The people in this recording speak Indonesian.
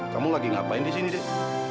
kamu lagi ngapain disini deh